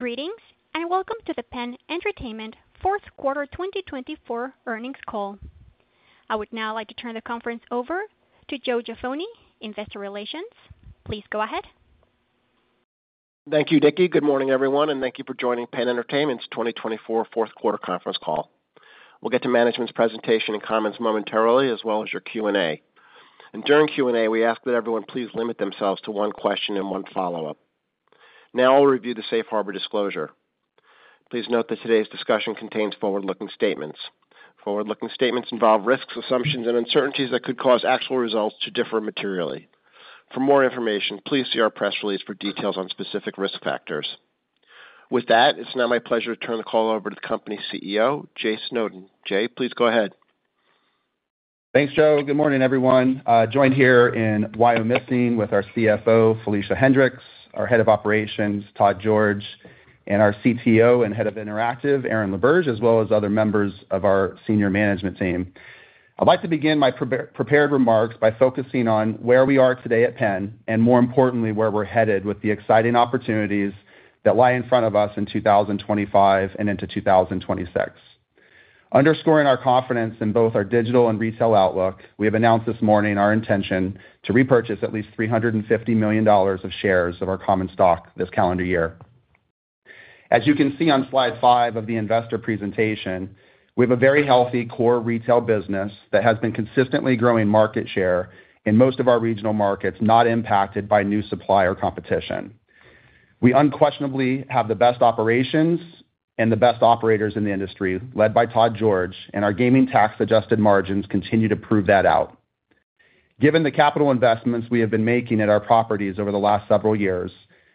Greetings and welcome to the PENN Entertainment fourth quarter 2024 earnings call. I would now like to turn the conference over to Joe Jaffoni, Investor Relations. Please go ahead. Thank you, Nicki. Good morning, everyone, and thank you for joining PENN Entertainment's 2024 fourth quarter conference call. We'll get to management's presentation and comments momentarily, as well as your Q&A, and during Q&A, we ask that everyone please limit themselves to one question and one follow-up. Now I'll review the safe harbor disclosure. Please note that today's discussion contains forward-looking statements. Forward-looking statements involve risks, assumptions, and uncertainties that could cause actual results to differ materially. For more information, please see our press release for details on specific risk factors. With that, it's now my pleasure to turn the call over to the company's CEO, Jay Snowden. Jay, please go ahead. Thanks, Joe. Good morning, everyone. I'm joined here in Wyomissing with our CFO, Felicia Hendrix, our Head of Operations, Todd George, and our CTO and Head of Interactive, Aaron LaBerge, as well as other members of our senior management team. I'd like to begin my prepared remarks by focusing on where we are today at PENN and, more importantly, where we're headed with the exciting opportunities that lie in front of us in 2025 and into 2026. Underscoring our confidence in both our digital and retail outlook, we have announced this morning our intention to repurchase at least $350 million of shares of our common stock this calendar year. As you can see on slide five of the investor presentation, we have a very healthy core retail business that has been consistently growing market share in most of our regional markets, not impacted by new supply or competition. We unquestionably have the best operations and the best operators in the industry, led by Todd George, and our gaming tax-adjusted margins continue to prove that out. Given the capital investments we have been making at our properties over the last several years,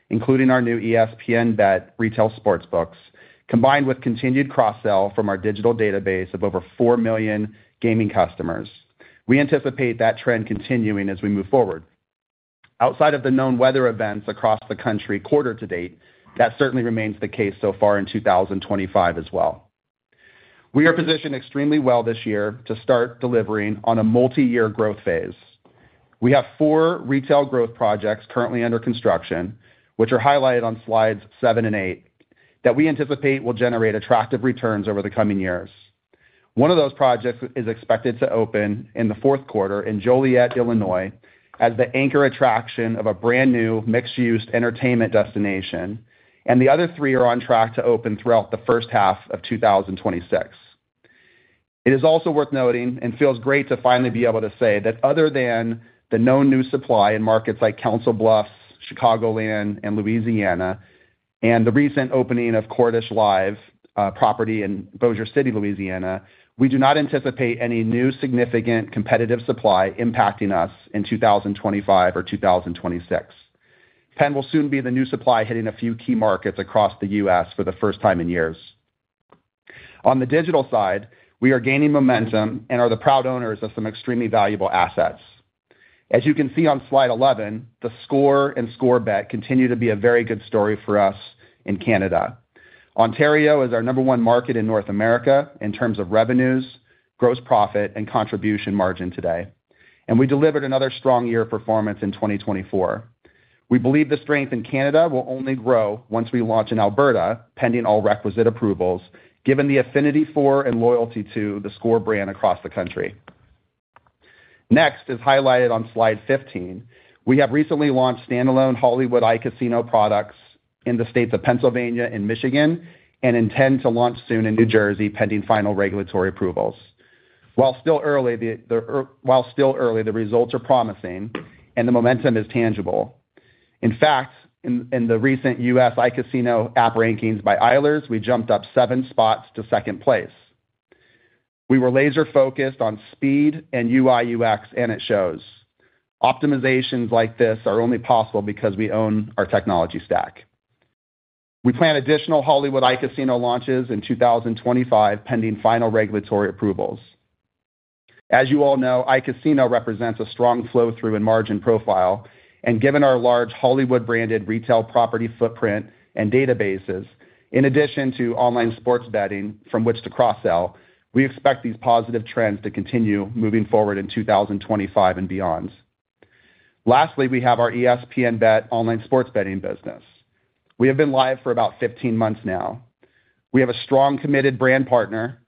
including our new ESPN BET retail sportsbooks, combined with continued cross-sell from our digital database of over 4 million gaming customers, we anticipate that trend continuing as we move forward. Outside of the known weather events across the country quarter to date, that certainly remains the case so far in 2025 as well. We are positioned extremely well this year to start delivering on a multi-year growth phase. We have four retail growth projects currently under construction, which are highlighted on slides seven and eight, that we anticipate will generate attractive returns over the coming years. One of those projects is expected to open in the fourth quarter in Joliet, Illinois, as the anchor attraction of a brand new mixed-use entertainment destination, and the other three are on track to open throughout the first half of 2026. It is also worth noting and feels great to finally be able to say that other than the known new supply in markets like Council Bluffs, Chicagoland, and Louisiana, and the recent opening of Cordish Live! property in Bossier City, Louisiana, we do not anticipate any new significant competitive supply impacting us in 2025 or 2026. Penn will soon be the new supply hitting a few key markets across the U.S. for the first time in years. On the digital side, we are gaining momentum and are the proud owners of some extremely valuable assets. As you can see on slide 11, theScore and theScore Bet continue to be a very good story for us in Canada. Ontario is our number one market in North America in terms of revenues, gross profit, and contribution margin today, and we delivered another strong year of performance in 2024. We believe the strength in Canada will only grow once we launch in Alberta, pending all requisite approvals, given the affinity for and loyalty to theScore brand across the country. Next, as highlighted on slide 15, we have recently launched standalone Hollywood iCasino products in the states of Pennsylvania and Michigan and intend to launch soon in New Jersey, pending final regulatory approvals. While still early, the results are promising and the momentum is tangible. In fact, in the recent U.S. iCasino app rankings by Eilers, we jumped up seven spots to second place. We were laser-focused on speed and UI/UX, and it shows. Optimizations like this are only possible because we own our technology stack. We plan additional Hollywood iCasino launches in 2025, pending final regulatory approvals. As you all know, iCasino represents a strong flow-through and margin profile, and given our large Hollywood-branded retail property footprint and databases, in addition to online sports betting from which to cross-sell, we expect these positive trends to continue moving forward in 2025 and beyond. Lastly, we have our ESPN BET online sports betting business. We have been live for about 15 months now. We have a strong, committed brand partner.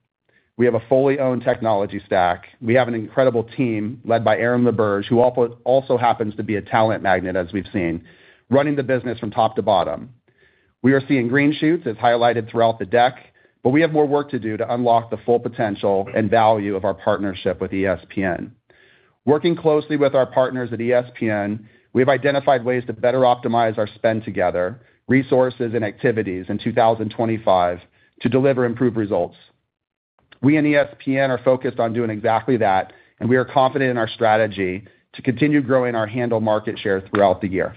We have a fully owned technology stack. We have an incredible team led by Aaron LaBerge, who also happens to be a talent magnet, as we've seen, running the business from top to bottom. We are seeing green shoots, as highlighted throughout the deck, but we have more work to do to unlock the full potential and value of our partnership with ESPN. Working closely with our partners at ESPN, we have identified ways to better optimize our spend together, resources, and activities in 2025 to deliver improved results. We and ESPN are focused on doing exactly that, and we are confident in our strategy to continue growing our handle market share throughout the year.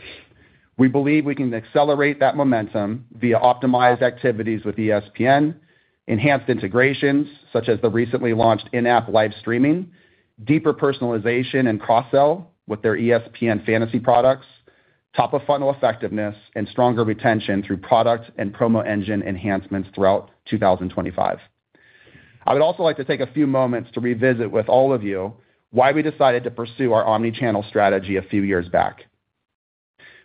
We believe we can accelerate that momentum via optimized activities with ESPN, enhanced integrations such as the recently launched in-app live streaming, deeper personalization and cross-sell with their ESPN Fantasy products, top-of-funnel effectiveness, and stronger retention through product and promo engine enhancements throughout 2025. I would also like to take a few moments to revisit with all of you why we decided to pursue our omnichannel strategy a few years back.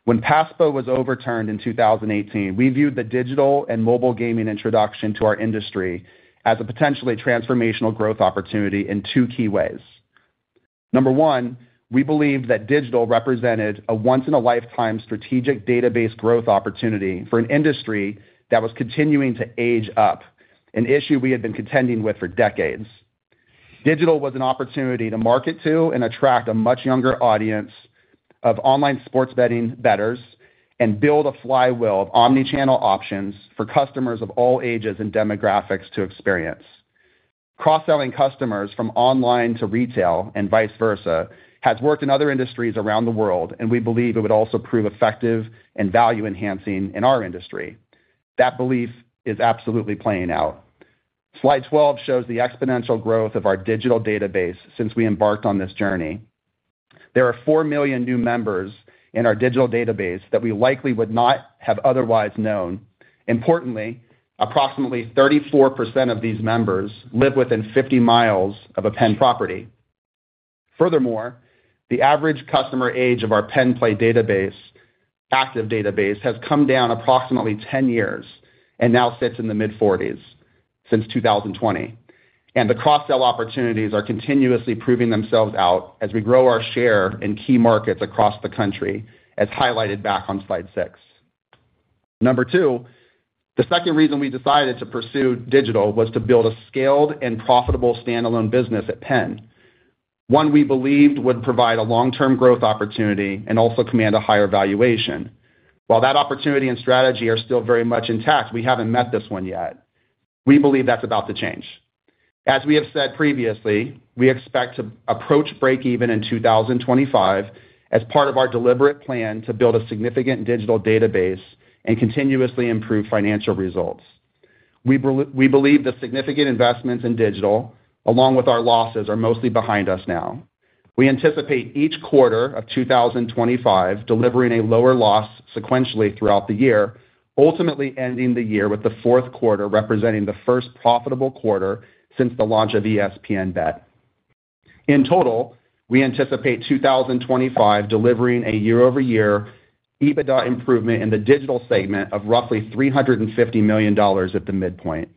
When PASPA was overturned in 2018, we viewed the digital and mobile gaming introduction to our industry as a potentially transformational growth opportunity in two key ways. Number one, we believed that digital represented a once-in-a-lifetime strategic database growth opportunity for an industry that was continuing to age up, an issue we had been contending with for decades. Digital was an opportunity to market to and attract a much younger audience of online sports betting bettors and build a flywheel of omnichannel options for customers of all ages and demographics to experience. Cross-selling customers from online to retail and vice versa has worked in other industries around the world, and we believe it would also prove effective and value-enhancing in our industry. That belief is absolutely playing out. Slide 12 shows the exponential growth of our digital database since we embarked on this journey. There are 4 million new members in our digital database that we likely would not have otherwise known. Importantly, approximately 34% of these members live within 50 mi of a Penn property. Furthermore, the average customer age of our PENN Play database, active database, has come down approximately 10 years and now sits in the mid-40s since 2020, and the cross-sell opportunities are continuously proving themselves out as we grow our share in key markets across the country, as highlighted back on slide six. Number two, the second reason we decided to pursue digital was to build a scaled and profitable standalone business at Penn, one we believed would provide a long-term growth opportunity and also command a higher valuation. While that opportunity and strategy are still very much intact, we haven't met this one yet. We believe that's about to change. As we have said previously, we expect to approach break-even in 2025 as part of our deliberate plan to build a significant digital database and continuously improve financial results. We believe the significant investments in digital, along with our losses, are mostly behind us now. We anticipate each quarter of 2025 delivering a lower loss sequentially throughout the year, ultimately ending the year with the fourth quarter representing the first profitable quarter since the launch of ESPN BET. In total, we anticipate 2025 delivering a year-over-year EBITDA improvement in the digital segment of roughly $350 million at the midpoint.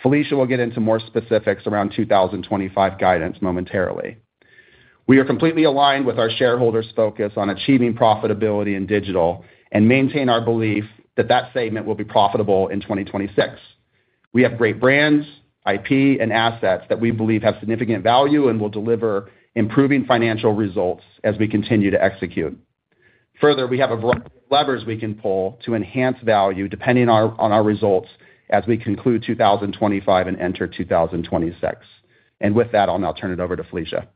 Felicia will get into more specifics around 2025 guidance momentarily. We are completely aligned with our shareholders' focus on achieving profitability in digital and maintain our belief that that segment will be profitable in 2026. We have great brands, IP, and assets that we believe have significant value and will deliver improving financial results as we continue to execute. Further, we have a variety of levers we can pull to enhance value depending on our results as we conclude 2025 and enter 2026, and with that, I'll now turn it over to Felicia.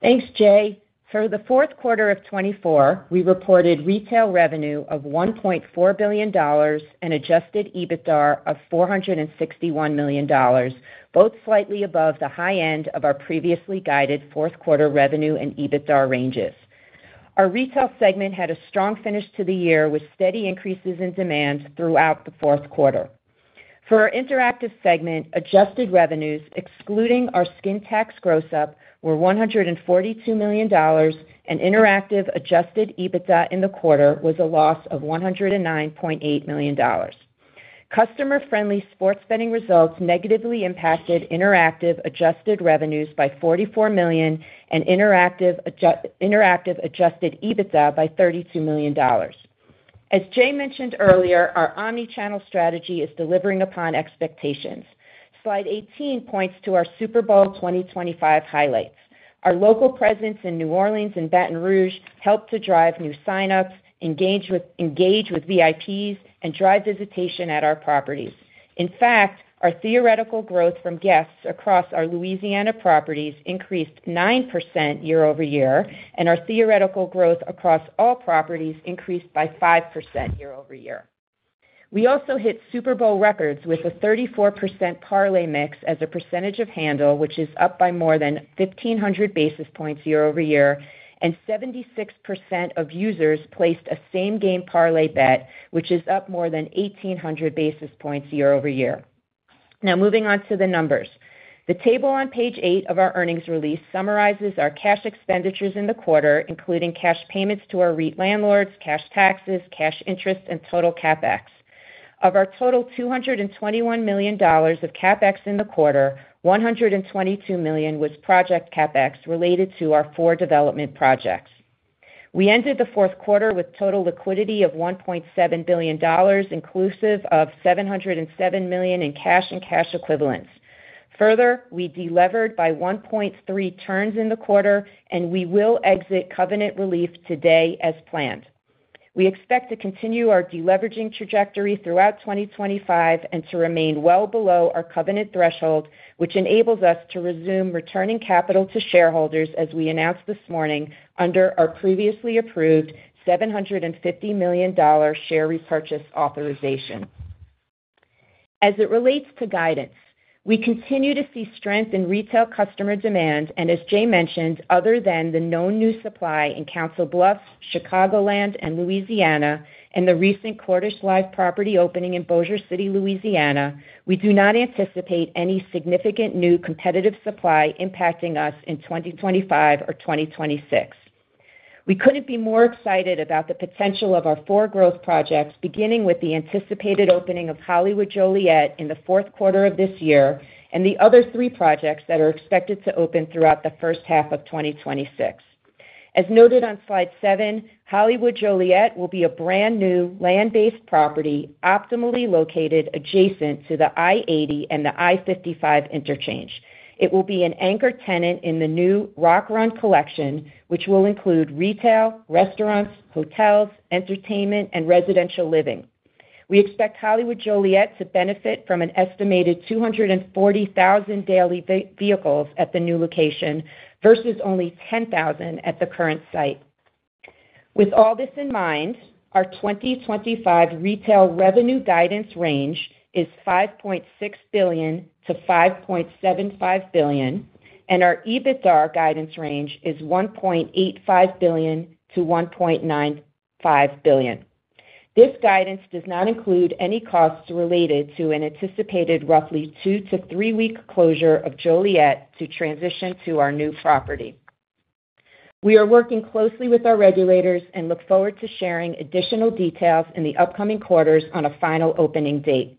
Thanks, Jay. For the fourth quarter of 2024, we reported retail revenue of $1.4 billion and adjusted EBITDA of $461 million, both slightly above the high end of our previously guided fourth quarter revenue and EBITDA ranges. Our retail segment had a strong finish to the year with steady increases in demand throughout the fourth quarter. For our interactive segment, adjusted revenues, excluding our Skin Tax Gross-up, were $142 million, and interactive adjusted EBITDA in the quarter was a loss of $109.8 million. Customer-friendly sports betting results negatively impacted interactive adjusted revenues by $44 million and interactive adjusted EBITDA by $32 million. As Jay mentioned earlier, our omnichannel strategy is delivering upon expectations. Slide 18 points to our Super Bowl 2025 highlights. Our local presence in New Orleans and Baton Rouge helped to drive new sign-ups, engage with VIPs, and drive visitation at our properties. In fact, our theoretical growth from guests across our Louisiana properties increased 9% year-over-year, and our theoretical growth across all properties increased by 5% year-over-year. We also hit Super Bowl records with a 34% parlay mix as a percentage of handle, which is up by more than 1,500 basis points year-over-year, and 76% of users placed a Same Game Parlay bet, which is up more than 1,800 basis points year-over-year. Now, moving on to the numbers. The table on page eight of our earnings release summarizes our cash expenditures in the quarter, including cash payments to our landlords, cash taxes, cash interest, and total CapEx. Of our total $221 million of CapEx in the quarter, $122 million was project CapEx related to our four development projects. We ended the fourth quarter with total liquidity of $1.7 billion, inclusive of $707 million in cash and cash equivalents. Further, we delevered by 1.3 turns in the quarter, and we will exit covenant relief today as planned. We expect to continue our deleveraging trajectory throughout 2025 and to remain well below our covenant threshold, which enables us to resume returning capital to shareholders as we announced this morning under our previously approved $750 million share repurchase authorization. As it relates to guidance, we continue to see strength in retail customer demand, and as Jay mentioned, other than the known new supply in Council Bluffs, Chicagoland, and Louisiana, and the recent Cordish Live! property opening in Bossier City, Louisiana, we do not anticipate any significant new competitive supply impacting us in 2025 or 2026. We couldn't be more excited about the potential of our four growth projects, beginning with the anticipated opening of Hollywood Joliet in the fourth quarter of this year and the other three projects that are expected to open throughout the first half of 2026. As noted on slide seven, Hollywood Joliet will be a brand new land-based property optimally located adjacent to the I-80 and the I-55 interchange. It will be an anchor tenant in the new Rock Run Collection, which will include retail, restaurants, hotels, entertainment, and residential living. We expect Hollywood Joliet to benefit from an estimated 240,000 daily vehicles at the new location versus only 10,000 at the current site. With all this in mind, our 2025 retail revenue guidance range is $5.6 billion-$5.75 billion, and our EBITDA guidance range is $1.85 billion-$1.95 billion. This guidance does not include any costs related to an anticipated roughly two to three week closure of Joliet to transition to our new property. We are working closely with our regulators and look forward to sharing additional details in the upcoming quarters on a final opening date.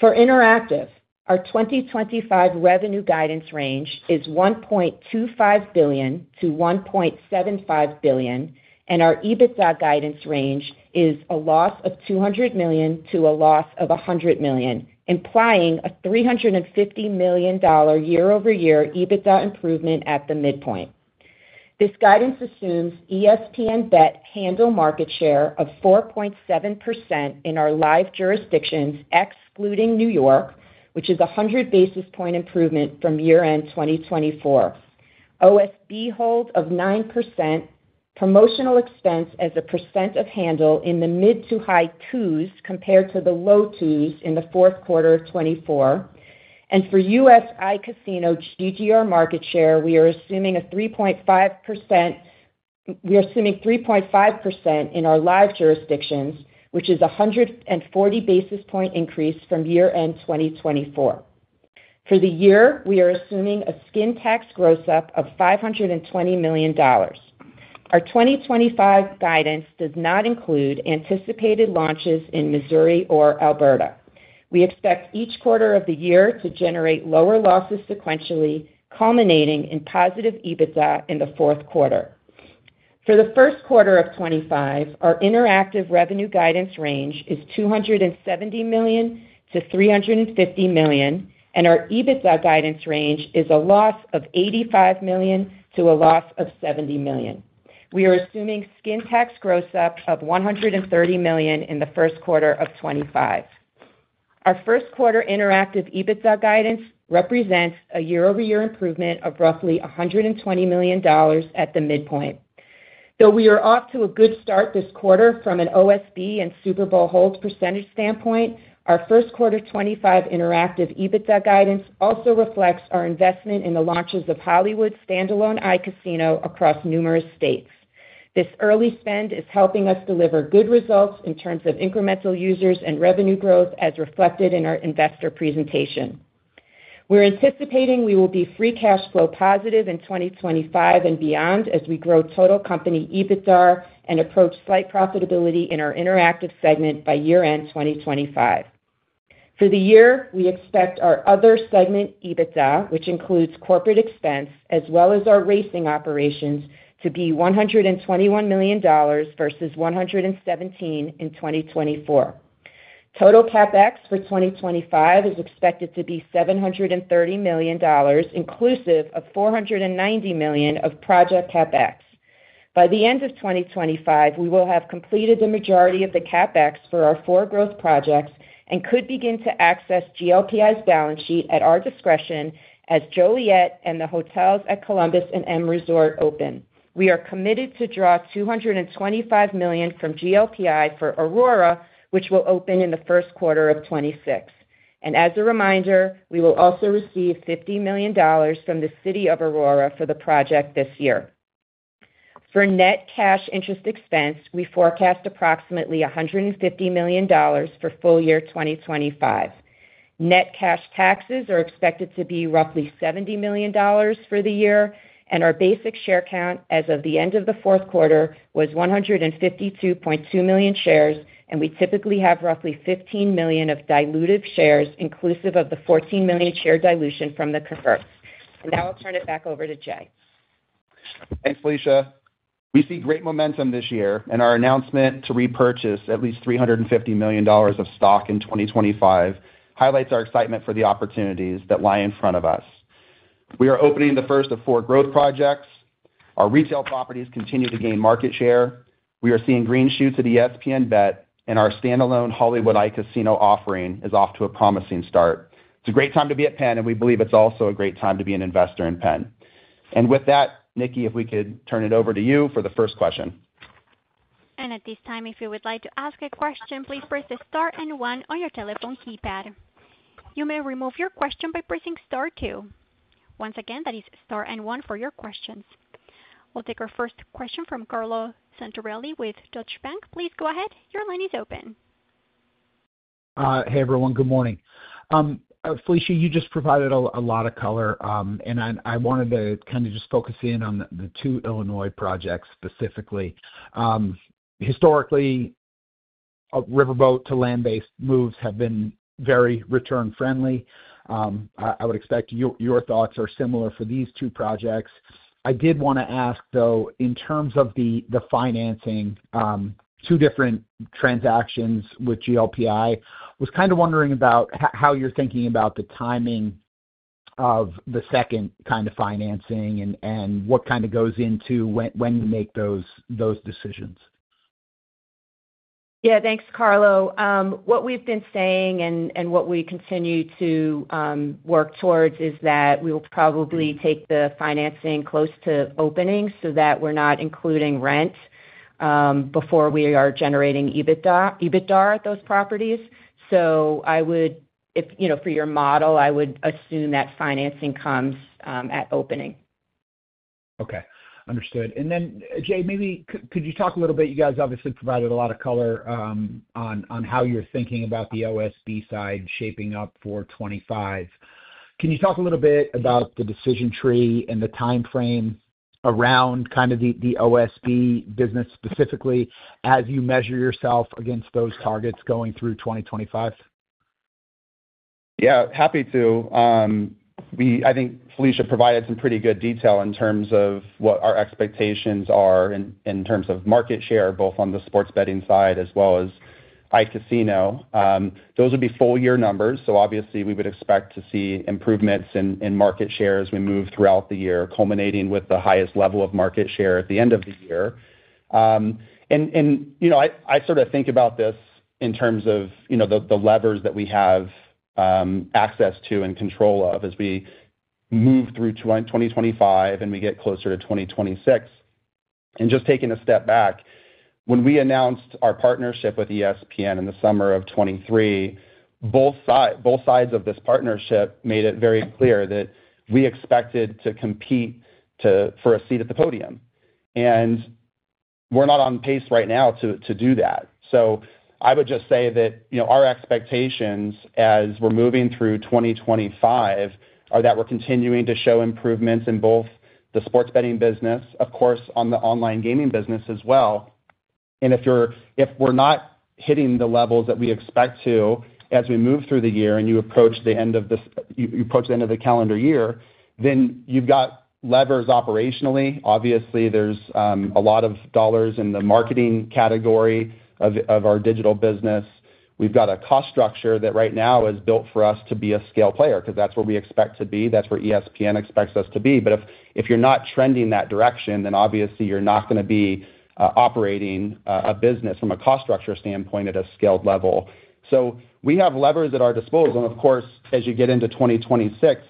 For interactive, our 2025 revenue guidance range is $1.25 billion-$1.75 billion, and our EBITDA guidance range is a loss of $200 million-$100 million, implying a $350 million year-over-year EBITDA improvement at the midpoint. This guidance assumes ESPN BET handle market share of 4.7% in our live jurisdictions, excluding New York, which is a 100 basis points improvement from year-end 2024. OSB hold of 9%, promotional expense as a percent of handle in the mid to high twos compared to the low twos in the fourth quarter of 2024. And for U.S. iCasino GGR market share, we are assuming 3.5%. We are assuming 3.5% in our live jurisdictions, which is a 140 basis point increase from year-end 2024. For the year, we are assuming a skin tax gross-up of $520 million. Our 2025 guidance does not include anticipated launches in Missouri or Alberta. We expect each quarter of the year to generate lower losses sequentially, culminating in positive EBITDA in the fourth quarter. For the first quarter of 2025, our interactive revenue guidance range is $270 million-$350 million, and our EBITDA guidance range is a loss of $85 million-$70 million. We are assuming skin tax gross-up of $130 million in the first quarter of 2025. Our first quarter interactive EBITDA guidance represents a year-over-year improvement of roughly $120 million at the midpoint. Though we are off to a good start this quarter from an OSB and Super Bowl holds percentage standpoint, our first quarter 2025 interactive EBITDA guidance also reflects our investment in the launches of Hollywood standalone iCasino across numerous states. This early spend is helping us deliver good results in terms of incremental users and revenue growth as reflected in our investor presentation. We're anticipating we will be free cash flow positive in 2025 and beyond as we grow total company EBITDA and approach slight profitability in our interactive segment by year-end 2025. For the year, we expect our other segment EBITDA, which includes corporate expense as well as our racing operations, to be $121 million versus $117 million in 2024. Total CapEx for 2025 is expected to be $730 million, inclusive of $490 million of project CapEx. By the end of 2025, we will have completed the majority of the CapEx for our four growth projects and could begin to access GLPI's balance sheet at our discretion as Joliet and the hotels at Columbus and M Resort open. We are committed to draw $225 million from GLPI for Aurora, which will open in the first quarter of 2026. And as a reminder, we will also receive $50 million from the City of Aurora for the project this year. For net cash interest expense, we forecast approximately $150 million for full year 2025. Net cash taxes are expected to be roughly $70 million for the year, and our basic share count as of the end of the fourth quarter was 152.2 million shares, and we typically have roughly 15 million of dilutive shares, inclusive of the 14 million share dilution from the convert. And now I'll turn it back over to Jay. Thanks, Felicia. We see great momentum this year, and our announcement to repurchase at least $350 million of stock in 2025 highlights our excitement for the opportunities that lie in front of us. We are opening the first of four growth projects. Our retail properties continue to gain market share. We are seeing green shoots of ESPN BET, and our standalone Hollywood iCasino offering is off to a promising start. It's a great time to be at Penn, and we believe it's also a great time to be an investor in PENN. And with that, Nikki, if we could turn it over to you for the first question. At this time, if you would like to ask a question, please press the Star and one on your telephone keypad. You may remove your question by pressing Star two. Once again, that is Star and one for your questions. We'll take our first question from Carlo Santarelli with Deutsche Bank. Please go ahead. Your line is open. Hey, everyone. Good morning. Felicia, you just provided a lot of color, and I wanted to kind of just focus in on the two Illinois projects specifically. Historically, Riverboat to land-based moves have been very return-friendly. I would expect your thoughts are similar for these two projects. I did want to ask, though, in terms of the financing, two different transactions with GLPI, was kind of wondering about how you're thinking about the timing of the second kind of financing and what kind of goes into when you make those decisions? Yeah, thanks, Carlo. What we've been saying and what we continue to work towards is that we will probably take the financing close to opening so that we're not including rent before we are generating EBITDA at those properties. So for your model, I would assume that financing comes at opening. Okay. Understood. And then, Jay, maybe could you talk a little bit? You guys obviously provided a lot of color on how you're thinking about the OSB side shaping up for 2025. Can you talk a little bit about the decision tree and the timeframe around kind of the OSB business specifically as you measure yourself against those targets going through 2025? Yeah, happy to. I think Felicia provided some pretty good detail in terms of what our expectations are in terms of market share, both on the sports betting side as well as iCasino. Those would be full-year numbers, so obviously, we would expect to see improvements in market share as we move throughout the year, culminating with the highest level of market share at the end of the year, and I sort of think about this in terms of the levers that we have access to and control of as we move through 2025 and we get closer to 2026, and just taking a step back, when we announced our partnership with ESPN in the summer of 2023, both sides of this partnership made it very clear that we expected to compete for a seat at the podium, and we're not on pace right now to do that. So I would just say that our expectations as we're moving through 2025 are that we're continuing to show improvements in both the sports betting business, of course, on the online gaming business as well. And if we're not hitting the levels that we expect to as we move through the year and you approach the end of the calendar year, then you've got levers operationally. Obviously, there's a lot of dollars in the marketing category of our digital business. We've got a cost structure that right now is built for us to be a scale player because that's where we expect to be. That's where ESPN expects us to be. But if you're not trending that direction, then obviously, you're not going to be operating a business from a cost structure standpoint at a scaled level. So we have levers at our disposal. And of course, as you get into 2026,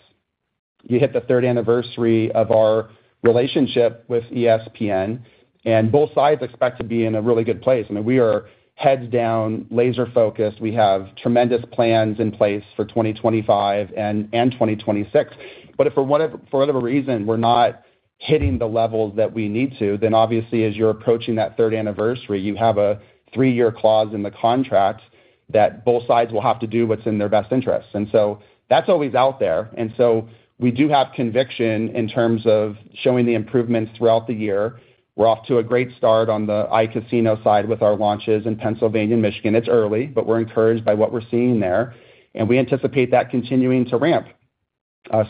you hit the third anniversary of our relationship with ESPN, and both sides expect to be in a really good place. I mean, we are heads down, laser-focused. We have tremendous plans in place for 2025 and 2026. But if for whatever reason we're not hitting the levels that we need to, then obviously, as you're approaching that third anniversary, you have a three-year clause in the contract that both sides will have to do what's in their best interest. And so that's always out there. And so we do have conviction in terms of showing the improvements throughout the year. We're off to a great start on the iCasino side with our launches in Pennsylvania and Michigan. It's early, but we're encouraged by what we're seeing there, and we anticipate that continuing to ramp.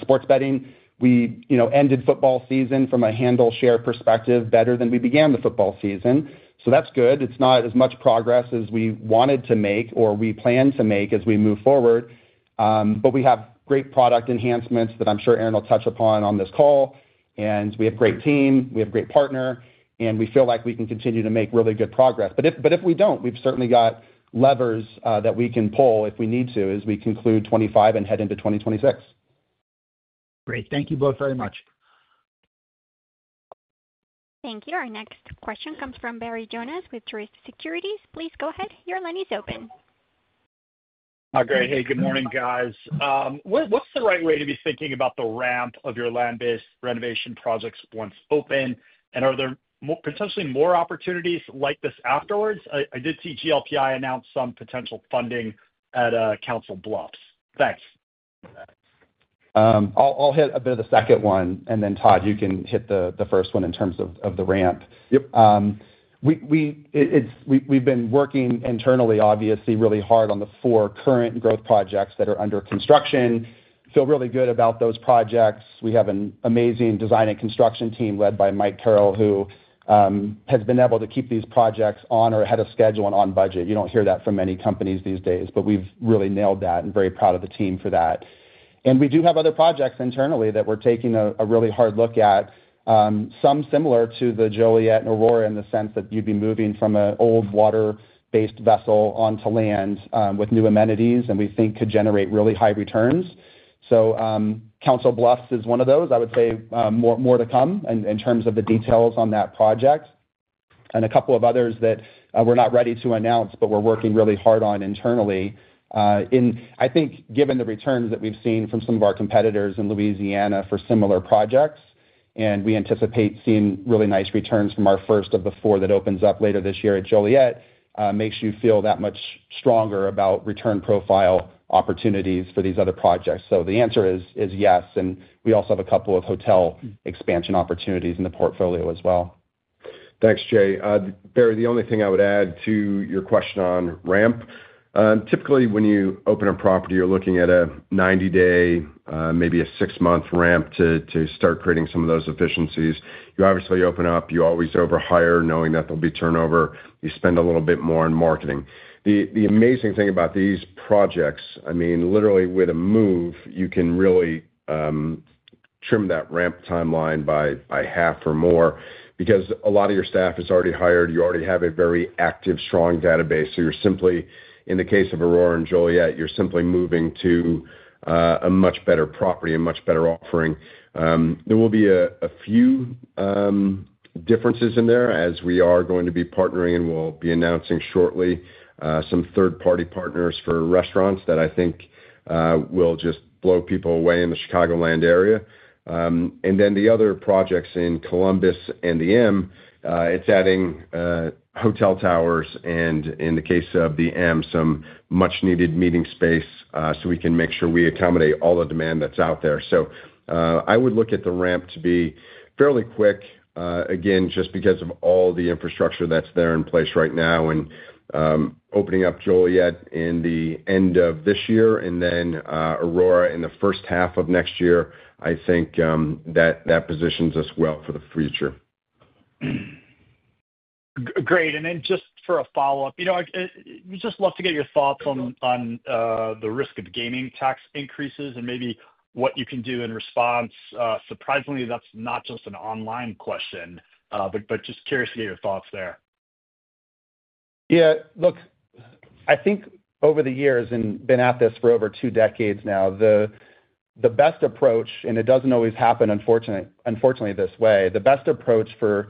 Sports betting, we ended football season from a handle share perspective better than we began the football season. So that's good. It's not as much progress as we wanted to make or we planned to make as we move forward, but we have great product enhancements that I'm sure Aaron will touch upon on this call, and we have a great team. We have a great partner, and we feel like we can continue to make really good progress, but if we don't, we've certainly got levers that we can pull if we need to as we conclude 2025 and head into 2026. Great. Thank you both very much. Thank you. Our next question comes from Barry Jonas with Truist Securities. Please go ahead. Your line is open. Great. Hey, good morning, guys. What's the right way to be thinking about the ramp of your land-based renovation projects once open? And are there potentially more opportunities like this afterwards? I did see GLPI announce some potential funding at Council Bluffs. Thanks. I'll hit a bit of the second one, and then Todd, you can hit the first one in terms of the ramp. We've been working internally, obviously, really hard on the four current growth projects that are under construction. Feel really good about those projects. We have an amazing design and construction team led by Michael Carroll, who has been able to keep these projects on or ahead of schedule and on budget. You don't hear that from many companies these days, but we've really nailed that and very proud of the team for that. And we do have other projects internally that we're taking a really hard look at, some similar to the Joliet and Aurora in the sense that you'd be moving from an old water-based vessel onto land with new amenities and we think could generate really high returns. So Council Bluffs is one of those. I would say more to come in terms of the details on that project and a couple of others that we're not ready to announce, but we're working really hard on internally. And I think given the returns that we've seen from some of our competitors in Louisiana for similar projects, and we anticipate seeing really nice returns from our first of the four that opens up later this year at Joliet, makes you feel that much stronger about return profile opportunities for these other projects. So the answer is yes. And we also have a couple of hotel expansion opportunities in the portfolio as well. Thanks, Jay. Barry, the only thing I would add to your question on ramp, typically when you open a property, you're looking at a 90-day, maybe a six-month ramp to start creating some of those efficiencies. You obviously open up, you always over-hire knowing that there'll be turnover. You spend a little bit more on marketing. The amazing thing about these projects, I mean, literally with a move, you can really trim that ramp timeline by half or more because a lot of your staff is already hired. You already have a very active, strong database. So you're simply, in the case of Aurora and Joliet, you're simply moving to a much better property, a much better offering. There will be a few differences in there as we are going to be partnering and will be announcing shortly some third-party partners for restaurants that I think will just blow people away in the Chicagoland area, and then the other projects in Columbus and The M, it's adding hotel towers and in the case of The M, some much-needed meeting space so we can make sure we accommodate all the demand that's out there, so I would look at the ramp to be fairly quick, again, just because of all the infrastructure that's there in place right now and opening up Joliet in the end of this year and then Aurora in the first half of next year. I think that that positions us well for the future. Great, and then just for a follow-up, we'd just love to get your thoughts on the risk of gaming tax increases and maybe what you can do in response. Surprisingly, that's not just an online question, but just curious to get your thoughts there. Yeah. Look, I think over the years and been at this for over two decades now, the best approach, and it doesn't always happen, unfortunately, this way, the best approach for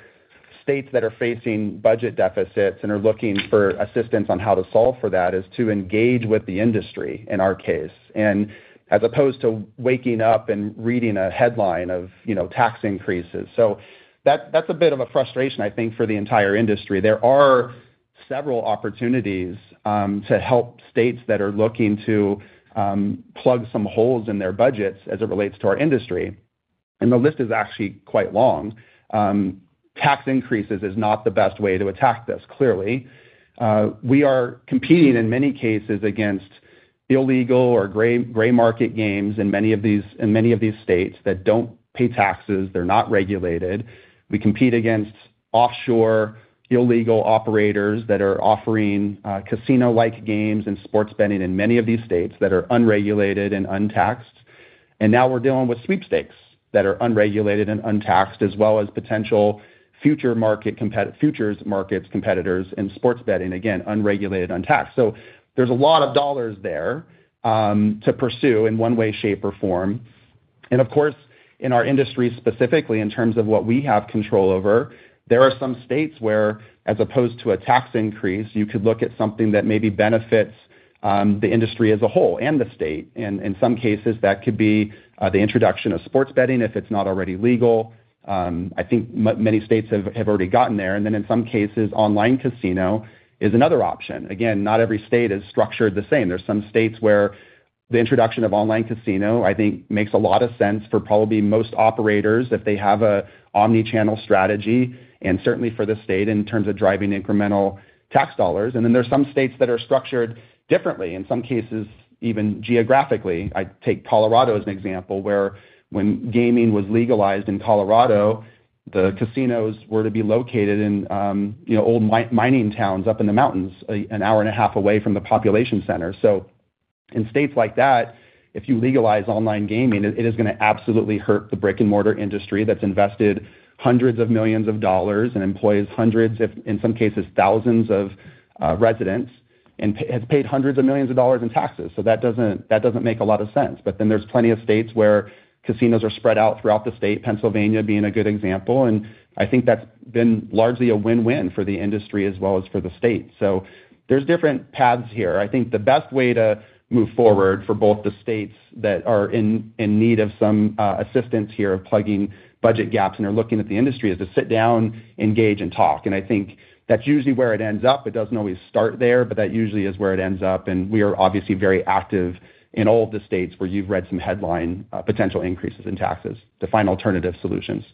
states that are facing budget deficits and are looking for assistance on how to solve for that is to engage with the industry in our case, and as opposed to waking up and reading a headline of tax increases. So that's a bit of a frustration, I think, for the entire industry. There are several opportunities to help states that are looking to plug some holes in their budgets as it relates to our industry. And the list is actually quite long. Tax increases is not the best way to attack this, clearly. We are competing in many cases against illegal or gray market games in many of these states that don't pay taxes. They're not regulated. We compete against offshore illegal operators that are offering casino-like games and sports betting in many of these states that are unregulated and untaxed. And now we're dealing with sweepstakes that are unregulated and untaxed, as well as potential futures market competitors in sports betting, again, unregulated, untaxed. So there's a lot of dollars there to pursue in one way, shape, or form. And of course, in our industry specifically, in terms of what we have control over, there are some states where, as opposed to a tax increase, you could look at something that maybe benefits the industry as a whole and the state. And in some cases, that could be the introduction of sports betting if it's not already legal. I think many states have already gotten there. And then in some cases, online casino is another option. Again, not every state is structured the same. There's some states where the introduction of online casino, I think, makes a lot of sense for probably most operators if they have an omnichannel strategy and certainly for the state in terms of driving incremental tax dollars, and then there are some states that are structured differently, in some cases, even geographically. I take Colorado as an example where when gaming was legalized in Colorado, the casinos were to be located in old mining towns up in the mountains, an hour and a half away from the population center, so in states like that, if you legalize online gaming, it is going to absolutely hurt the brick-and-mortar industry that's invested hundreds of millions of dollars and employs hundreds, in some cases, thousands of residents and has paid hundreds of millions of dollars in taxes, so that doesn't make a lot of sense. But then there's plenty of states where casinos are spread out throughout the state, Pennsylvania being a good example. And I think that's been largely a win-win for the industry as well as for the state. So there's different paths here. I think the best way to move forward for both the states that are in need of some assistance here of plugging budget gaps and are looking at the industry is to sit down, engage, and talk. And I think that's usually where it ends up. It doesn't always start there, but that usually is where it ends up. And we are obviously very active in all of the states where you've read some headline potential increases in taxes to find alternative solutions.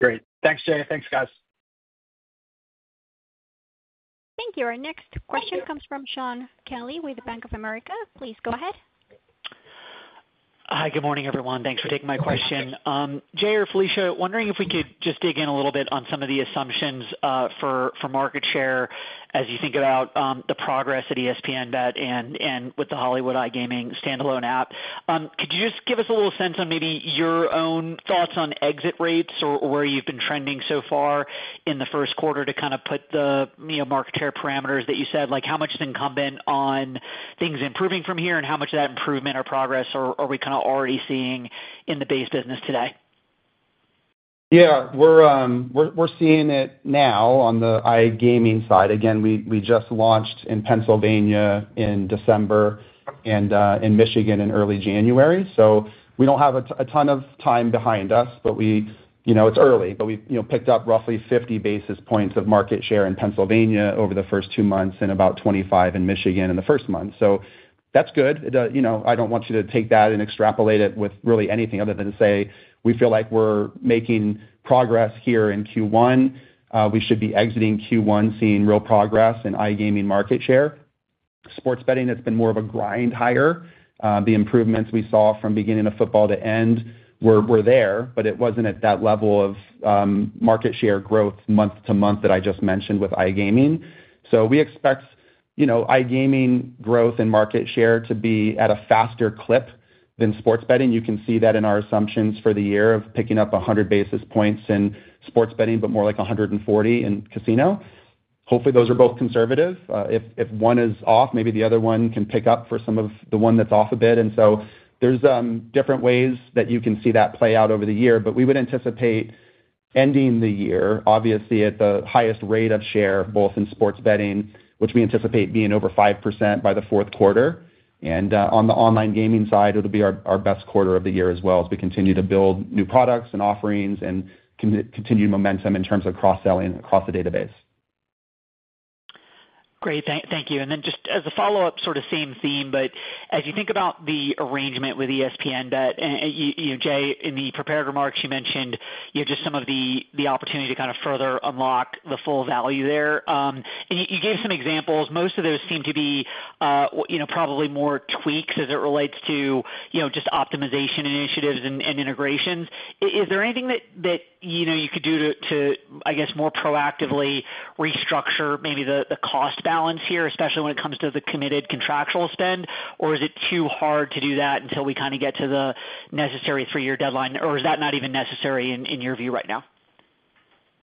Great. Thanks, Jay. Thanks, guys. Thank you. Our next question comes from Shaun Kelley with Bank of America. Please go ahead. Hi, good morning, everyone. Thanks for taking my question. Jay or Felicia, wondering if we could just dig in a little bit on some of the assumptions for market share as you think about the progress at ESPN BET and with the Hollywood iCasino standalone app. Could you just give us a little sense on maybe your own thoughts on exit rates or where you've been trending so far in the first quarter to kind of put the market share parameters that you said? How much is incumbent on things improving from here and how much of that improvement or progress are we kind of already seeing in the base business today? Yeah. We're seeing it now on the iGaming side. Again, we just launched in Pennsylvania in December and in Michigan in early January. So we don't have a ton of time behind us, but it's early. But we picked up roughly 50 basis points of market share in Pennsylvania over the first two months and about 25 in Michigan in the first month. So that's good. I don't want you to take that and extrapolate it with really anything other than to say we feel like we're making progress here in Q1. We should be exiting Q1 seeing real progress in iGaming market share. Sports betting, it's been more of a grind higher. The improvements we saw from beginning of football to end were there, but it wasn't at that level of market share growth month to month that I just mentioned with iGaming. We expect iGaming growth and market share to be at a faster clip than sports betting. You can see that in our assumptions for the year of picking up 100 basis points in sports betting, but more like 140 in casino. Hopefully, those are both conservative. If one is off, maybe the other one can pick up for some of the one that's off a bit. There are different ways that you can see that play out over the year, but we would anticipate ending the year, obviously, at the highest rate of share both in sports betting, which we anticipate being over 5% by the fourth quarter. On the online gaming side, it will be our best quarter of the year as well as we continue to build new products and offerings and continue momentum in terms of cross-selling across the database. Great. Thank you. And then just as a follow-up, sort of same theme, but as you think about the arrangement with ESPN BET, Jay, in the prepared remarks, you mentioned just some of the opportunity to kind of further unlock the full value there. And you gave some examples. Most of those seem to be probably more tweaks as it relates to just optimization initiatives and integrations. Is there anything that you could do to, I guess, more proactively restructure maybe the cost balance here, especially when it comes to the committed contractual spend? Or is it too hard to do that until we kind of get to the necessary three-year deadline? Or is that not even necessary in your view right now?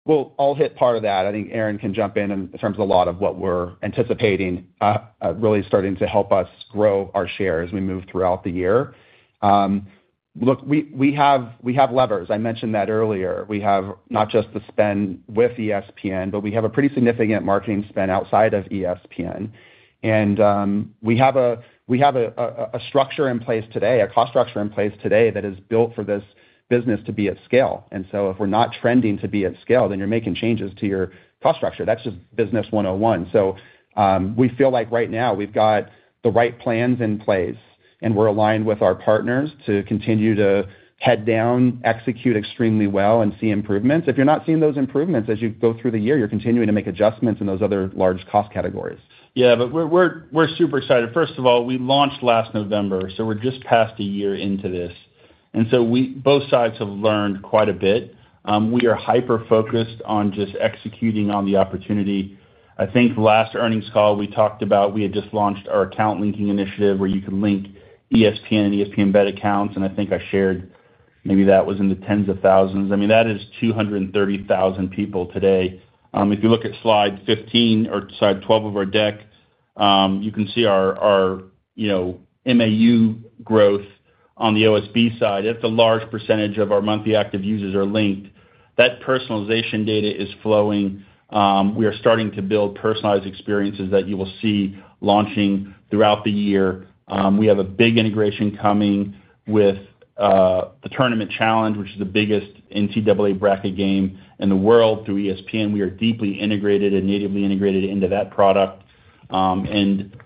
I'll hit part of that. I think Aaron can jump in in terms of a lot of what we're anticipating really starting to help us grow our share as we move throughout the year. Look, we have levers. I mentioned that earlier. We have not just the spend with ESPN, but we have a pretty significant marketing spend outside of ESPN, and we have a structure in place today, a cost structure in place today that is built for this business to be at scale, and so if we're not trending to be at scale, then you're making changes to your cost structure. That's just business 101, so we feel like right now we've got the right plans in place, and we're aligned with our partners to continue to head down, execute extremely well, and see improvements. If you're not seeing those improvements as you go through the year, you're continuing to make adjustments in those other large cost categories. Yeah, but we're super excited. First of all, we launched last November, so we're just past a year into this. And so both sides have learned quite a bit. We are hyper-focused on just executing on the opportunity. I think last earnings call, we talked about we had just launched our account linking initiative where you can link ESPN and ESPN BET accounts. And I think I shared maybe that was in the tens of thousands. I mean, that is 230,000 people today. If you look at slide 15 or slide 12 of our deck, you can see our MAU growth on the OSB side. That's a large percentage of our monthly active users are linked. That personalization data is flowing. We are starting to build personalized experiences that you will see launching throughout the year. We have a big integration coming with the Tournament Challenge, which is the biggest NCAA bracket game in the world through ESPN. We are deeply integrated and natively integrated into that product and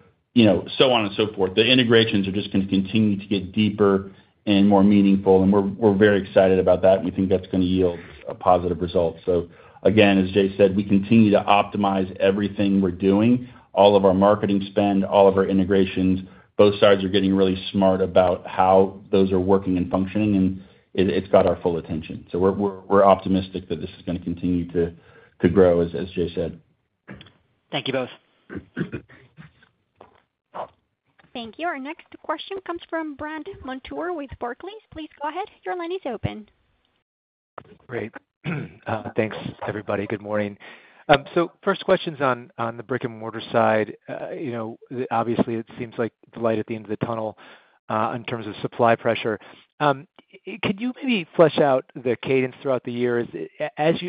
so on and so forth. The integrations are just going to continue to get deeper and more meaningful. And we're very excited about that. And we think that's going to yield a positive result. So again, as Jay said, we continue to optimize everything we're doing, all of our marketing spend, all of our integrations. Both sides are getting really smart about how those are working and functioning, and it's got our full attention. So we're optimistic that this is going to continue to grow, as Jay said. Thank you both. Thank you. Our next question comes from Brandt Montour with Barclays. Please go ahead. Your line is open. Great. Thanks, everybody. Good morning. So first question's on the brick-and-mortar side. Obviously, it seems like the light at the end of the tunnel in terms of supply pressure. Could you maybe flesh out the cadence throughout the year?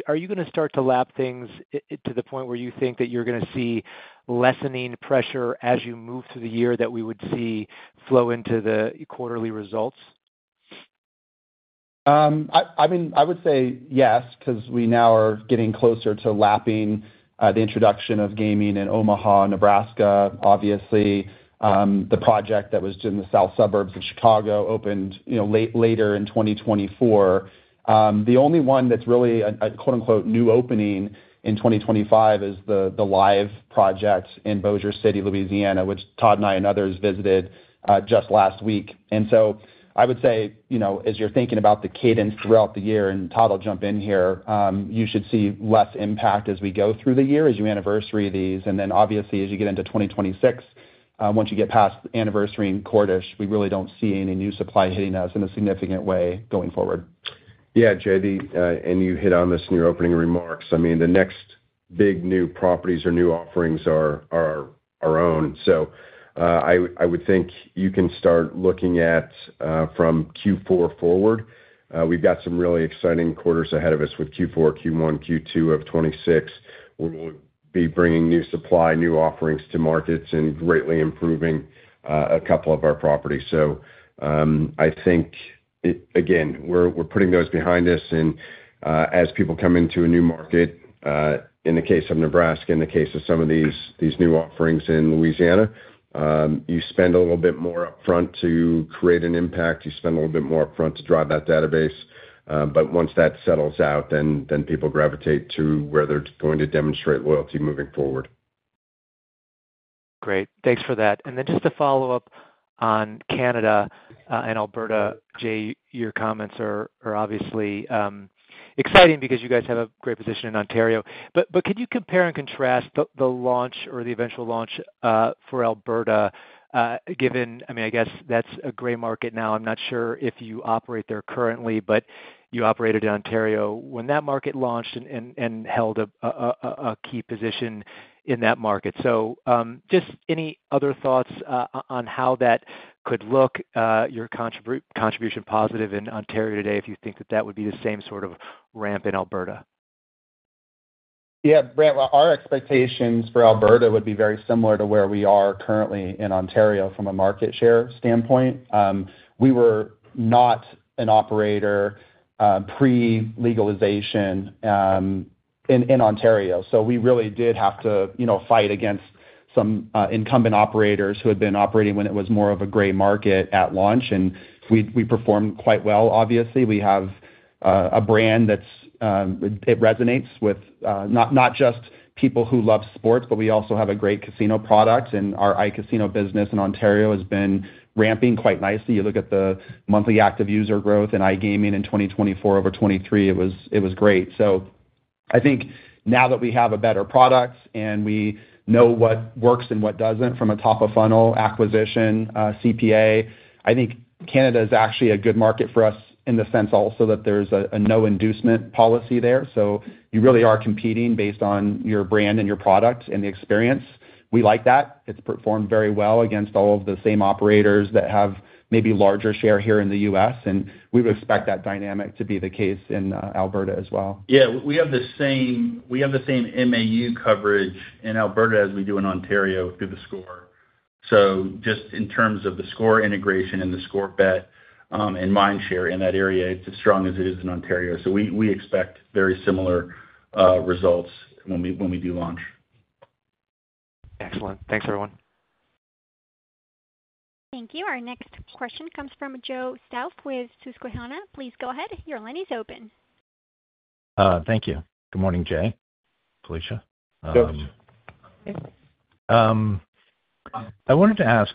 Are you going to start to lap things to the point where you think that you're going to see lessening pressure as you move through the year that we would see flow into the quarterly results? I mean, I would say yes because we now are getting closer to lapping the introduction of gaming in Omaha, Nebraska. Obviously, the project that was in the South suburbs of Chicago opened later in 2024. The only one that's really a "new opening" in 2025 is the live project in Bossier City, Louisiana, which Todd and I and others visited just last week. And so I would say, as you're thinking about the cadence throughout the year, and Todd will jump in here, you should see less impact as we go through the year as you anniversary these. And then obviously, as you get into 2026, once you get past anniversary in Cordish, we really don't see any new supply hitting us in a significant way going forward. Yeah, Jay, and you hit on this in your opening remarks. I mean, the next big new properties or new offerings are our own, so I would think you can start looking at from Q4 forward. We've got some really exciting quarters ahead of us with Q4, Q1, Q2 of 2026, where we'll be bringing new supply, new offerings to markets, and greatly improving a couple of our properties. So I think, again, we're putting those behind us, and as people come into a new market, in the case of Nebraska, in the case of some of these new offerings in Louisiana, you spend a little bit more upfront to create an impact. You spend a little bit more upfront to drive that database. But once that settles out, then people gravitate to where they're going to demonstrate loyalty moving forward. Great. Thanks for that. And then just to follow up on Canada and Alberta, Jay, your comments are obviously exciting because you guys have a great position in Ontario. But could you compare and contrast the launch or the eventual launch for Alberta, given, I mean, I guess that's a gray market now. I'm not sure if you operate there currently, but you operated in Ontario when that market launched and held a key position in that market, so just any other thoughts on how that could look, your contribution positive in Ontario today, if you think that that would be the same sort of ramp in Alberta? Yeah. Our expectations for Alberta would be very similar to where we are currently in Ontario from a market share standpoint. We were not an operator pre-legalization in Ontario. So we really did have to fight against some incumbent operators who had been operating when it was more of a gray market at launch. And we performed quite well, obviously. We have a brand that resonates with not just people who love sports, but we also have a great casino product. And our iCasino business in Ontario has been ramping quite nicely. You look at the monthly active user growth in iGaming in 2024 over 2023. It was great. So I think now that we have a better product and we know what works and what doesn't from a Top-of-Funnel acquisition CPA, I think Canada is actually a good market for us in the sense also that there's a no-inducement policy there. So you really are competing based on your brand and your product and the experience. We like that. It's performed very well against all of the same operators that have maybe larger share here in the U.S. And we would expect that dynamic to be the case in Alberta as well. Yeah. We have the same MAU coverage in Alberta as we do in Ontario through theScore. So just in terms of theScore integration and theScore Bet and mind share in that area, it's as strong as it is in Ontario. So we expect very similar results when we do launch. Excellent. Thanks, everyone. Thank you. Our next question comes from Joe Stauff with Susquehanna. Please go ahead. Your line is open. Thank you. Good morning, Jay, Felicia. I wanted to ask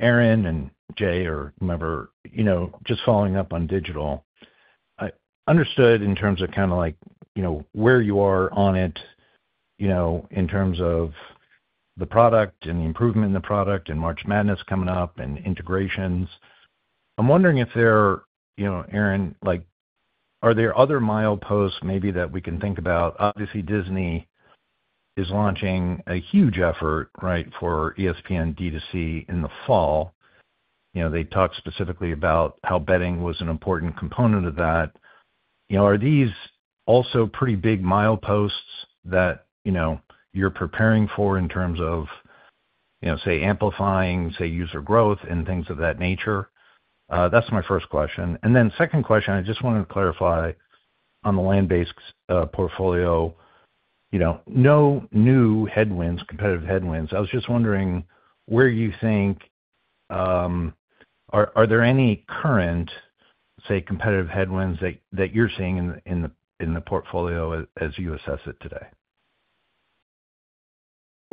Aaron and Jay or whomever, just following up on digital. Understood in terms of kind of where you are on it in terms of the product and the improvement in the product and March Madness coming up and integrations. I'm wondering if there, Aaron, are there other mileposts maybe that we can think about? Obviously, Disney is launching a huge effort, right, for ESPN D2C in the fall. They talked specifically about how betting was an important component of that. Are these also pretty big mileposts that you're preparing for in terms of, say, amplifying, say, user growth and things of that nature? That's my first question. And then second question, I just wanted to clarify on the land-based portfolio, no new headwinds, competitive headwinds. I was just wondering where you think are there any current, say, competitive headwinds that you're seeing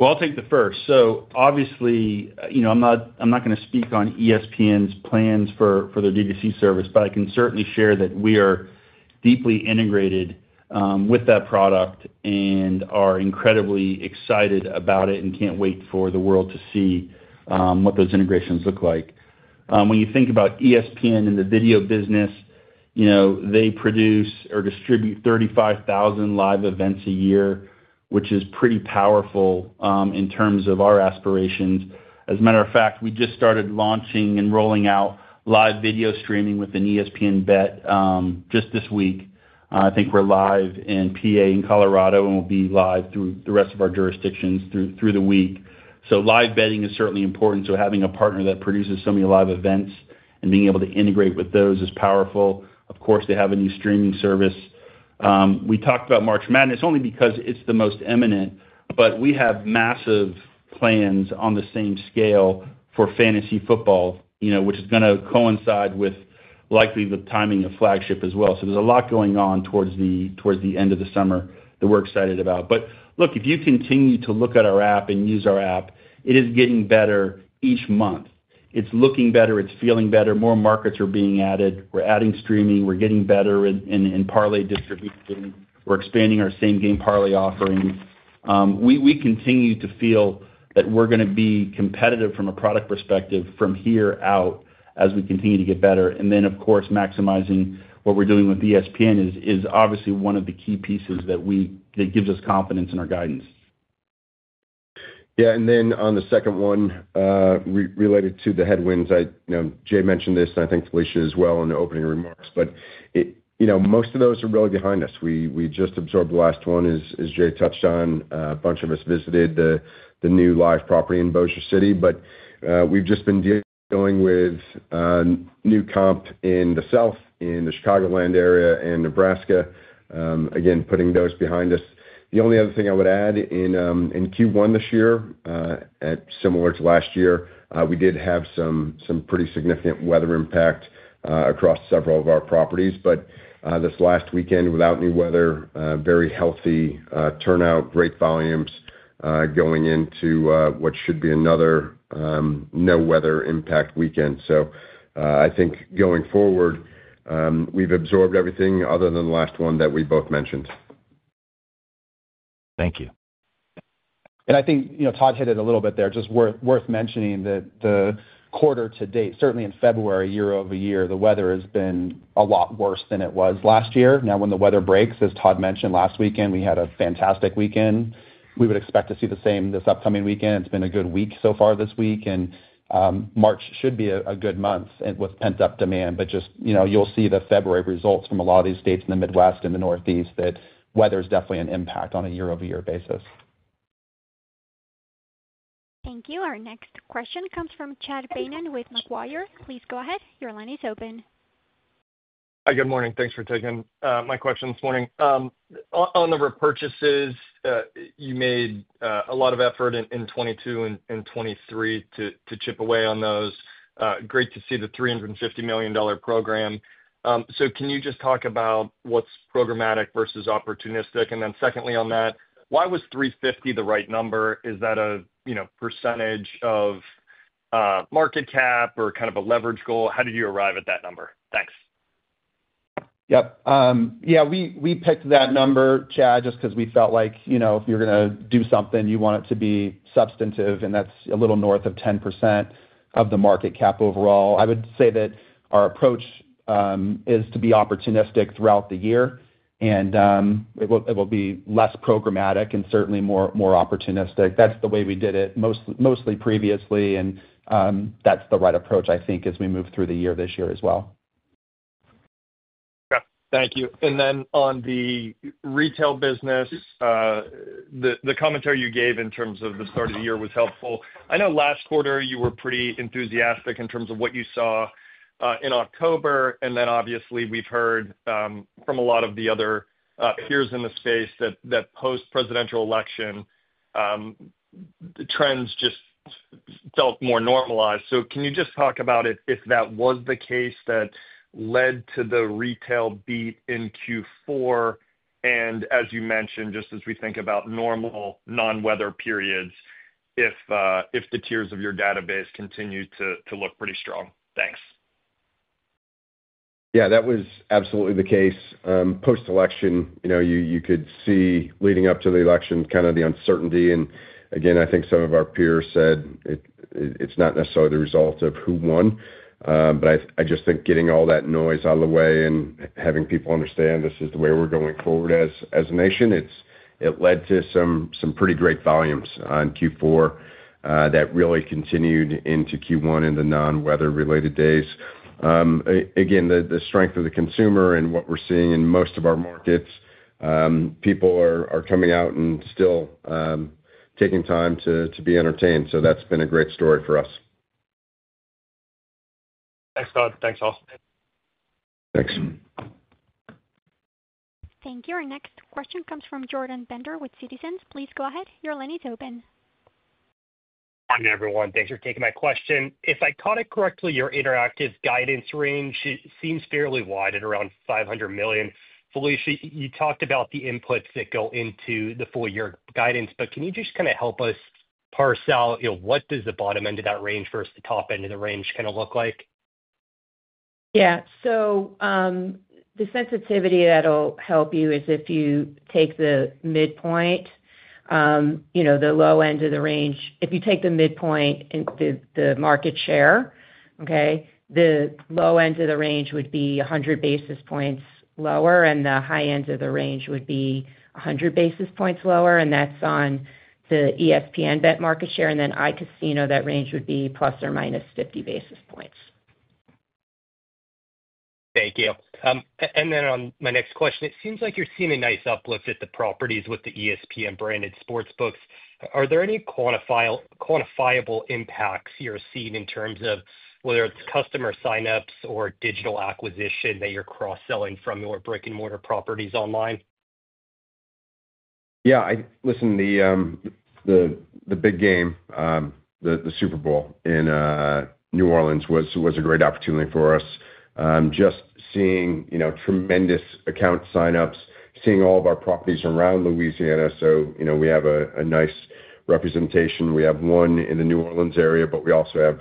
in the portfolio as you assess it today? I'll take the first. Obviously, I'm not going to speak on ESPN's plans for their D2C service, but I can certainly share that we are deeply integrated with that product and are incredibly excited about it and can't wait for the world to see what those integrations look like. When you think about ESPN and the video business, they produce or distribute 35,000 live events a year, which is pretty powerful in terms of our aspirations. As a matter of fact, we just started launching and rolling out live video streaming with ESPN BET just this week. I think we're live in PA and Colorado and will be live through the rest of our jurisdictions through the week. Live betting is certainly important. Having a partner that produces so many live events and being able to integrate with those is powerful. Of course, they have a new streaming service. We talked about March Madness only because it's the most imminent, but we have massive plans on the same scale for fantasy football, which is going to coincide with likely the timing of Flagship as well. So there's a lot going on towards the end of the summer that we're excited about. But look, if you continue to look at our app and use our app, it is getting better each month. It's looking better. It's feeling better. More markets are being added. We're adding streaming. We're getting better in Parlay distribution. We're expanding our Same Game Parlay offering. We continue to feel that we're going to be competitive from a product perspective from here out as we continue to get better. And then, of course, maximizing what we're doing with ESPN is obviously one of the key pieces that gives us confidence in our guidance. Yeah. And then on the second one, related to the headwinds, Jay mentioned this, and I think Felicia as well in the opening remarks, but most of those are really behind us. We just absorbed the last one, as Jay touched on. A bunch of us visited the new live property in Bossier City, but we've just been dealing with new comp in the South, in the Chicagoland area, and Nebraska, again, putting those behind us. The only other thing I would add in Q1 this year, similar to last year, we did have some pretty significant weather impact across several of our properties. But this last weekend, without new weather, very healthy turnout, great volumes going into what should be another no-weather impact weekend. So I think going forward, we've absorbed everything other than the last one that we both mentioned. Thank you. I think Todd hit it a little bit there. Just worth mentioning that the quarter to date, certainly in February, year-over-year, the weather has been a lot worse than it was last year. Now, when the weather breaks, as Todd mentioned last weekend, we had a fantastic weekend. We would expect to see the same this upcoming weekend. It's been a good week so far this week. March should be a good month with pent-up demand. Just, you'll see the February results from a lot of these states in the Midwest and the Northeast that weather is definitely an impact on a year-over-year basis. Thank you. Our next question comes from Chad Beynon with Macquarie. Please go ahead. Your line is open. Hi, good morning. Thanks for taking my question this morning. On the repurchases, you made a lot of effort in 2022 and 2023 to chip away on those. Great to see the $350 million program. So can you just talk about what's programmatic versus opportunistic? And then secondly on that, why was 350 the right number? Is that a percentage of market cap or kind of a leverage goal? How did you arrive at that number? Thanks. Yep. Yeah. We picked that number, Chad, just because we felt like if you're going to do something, you want it to be substantive, and that's a little north of 10% of the market cap overall. I would say that our approach is to be opportunistic throughout the year, and it will be less programmatic and certainly more opportunistic. That's the way we did it mostly previously, and that's the right approach, I think, as we move through the year this year as well. Okay. Thank you. And then on the retail business, the commentary you gave in terms of the start of the year was helpful. I know last quarter you were pretty enthusiastic in terms of what you saw in October. And then obviously, we've heard from a lot of the other peers in the space that post-presidential election trends just felt more normalized. So can you just talk about if that was the case that led to the retail beat in Q4? And as you mentioned, just as we think about normal non-weather periods, if the tiers of your database continue to look pretty strong. Thanks. Yeah, that was absolutely the case. Post-election, you could see leading up to the election kind of the uncertainty. And again, I think some of our peers said it's not necessarily the result of who won. But I just think getting all that noise out of the way and having people understand this is the way we're going forward as a nation, it led to some pretty great volumes on Q4 that really continued into Q1 in the non-weather-related days. Again, the strength of the consumer and what we're seeing in most of our markets, people are coming out and still taking time to be entertained. So that's been a great story for us. Thanks, Todd. Thanks, all. Thanks. Thank you. Our next question comes from Jordan Bender with Citizens. Please go ahead. Your line is open. Good morning, everyone. Thanks for taking my question. If I caught it correctly, your interactive guidance range seems fairly wide at around $500 million. Felicia, you talked about the inputs that go into the full-year guidance, but can you just kind of help us parse out what does the bottom end of that range versus the top end of the range kind of look like? Yeah. So the sensitivity that'll help you is if you take the midpoint, the low end of the range. If you take the midpoint and the market share, okay, the low end of the range would be 100 basis points lower, and the high end of the range would be 100 basis points lower. And that's on the ESPN BET market share. And then iCasino, that range would be plus or minus 50 basis points. Thank you, and then on my next question, it seems like you're seeing a nice uplift at the properties with the ESPN branded sportsbooks. Are there any quantifiable impacts you're seeing in terms of whether it's customer sign-ups or digital acquisition that you're cross-selling from your brick-and-mortar properties online? Yeah. Listen, the big game, the Super Bowl in New Orleans, was a great opportunity for us. Just seeing tremendous account sign-ups, seeing all of our properties around Louisiana. So we have a nice representation. We have one in the New Orleans area, but we also have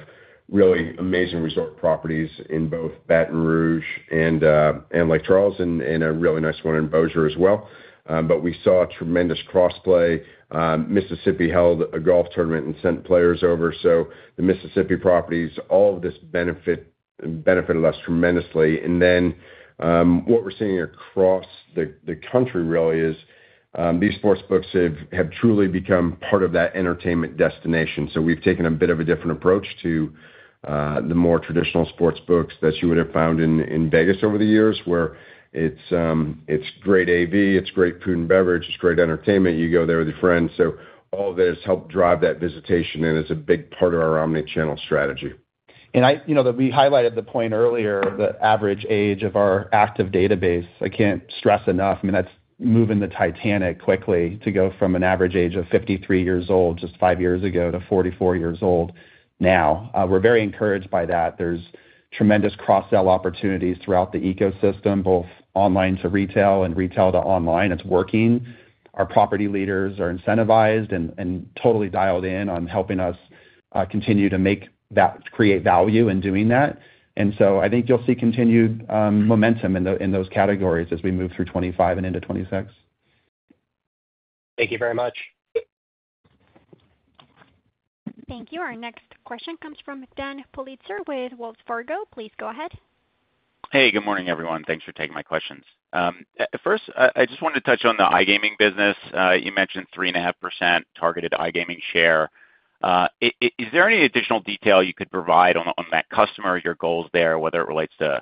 really amazing resort properties in both Baton Rouge and Lake Charles and a really nice one in Bossier as well. But we saw tremendous cross-play. Mississippi held a golf tournament and sent players over. So the Mississippi properties, all of this benefited us tremendously. And then what we're seeing across the country really is these sportsbooks have truly become part of that entertainment destination. So we've taken a bit of a different approach to the more traditional sportsbooks that you would have found in Vegas over the years, where it's great AV, it's great food and beverage, it's great entertainment. You go there with your friends. So all of this helped drive that visitation, and it's a big part of our omnichannel strategy. We highlighted the point earlier, the average age of our active database. I can't stress enough. I mean, that's moving the Titanic quickly to go from an average age of 53 years old just five years ago to 44 years old now. We're very encouraged by that. There's tremendous cross-sell opportunities throughout the ecosystem, both online to retail and retail to online. It's working. Our property leaders are incentivized and totally dialed in on helping us continue to create value in doing that. And so I think you'll see continued momentum in those categories as we move through 2025 and into 2026. Thank you very much. Thank you. Our next question comes from Dan Politzer with Wells Fargo. Please go ahead. Hey, good morning, everyone. Thanks for taking my questions. First, I just wanted to touch on the iGaming business. You mentioned 3.5% targeted iGaming share. Is there any additional detail you could provide on that customer, your goals there, whether it relates to